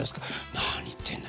「何言ってんのよ